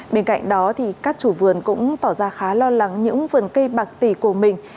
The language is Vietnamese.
bên cạnh đó thì các chủ vườn cũng tỏ ra khá lo lắng những vườn cây bạc tỷ của mình